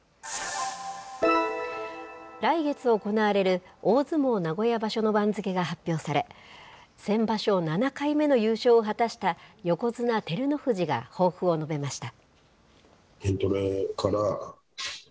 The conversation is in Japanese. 来月行われる大相撲名古屋場所の番付が発表され、先場所、７回目の優勝を果たした横綱・照ノ富士が抱負を述べました。